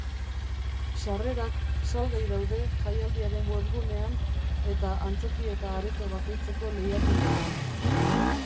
Sarrerak salgai daude jaialdiaren webgunean eta antzoki eta areto bakoitzeko leihatiletan.